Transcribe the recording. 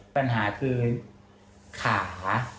ปัญหาคือขา